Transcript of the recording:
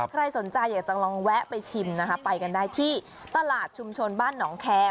ใครสนใจอยากจะลองแวะไปชิมนะคะไปกันได้ที่ตลาดชุมชนบ้านหนองแคร์